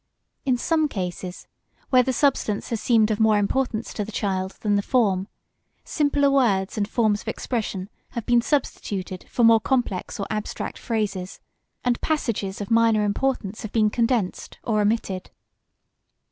In some cases, where the substance has seemed of more importance to the child than the form, simpler words and forms of expression have been substituted for more complex or abstract phrases, and passages of minor importance have been condensed or omitted.